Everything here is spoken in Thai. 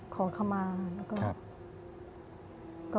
ขอคำมาแล้วก็